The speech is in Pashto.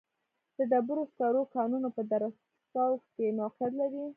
د ډبرو سکرو کانونه په دره صوف کې موقعیت لري.